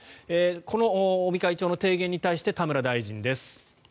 この尾身会長の提言に対して田村大臣です。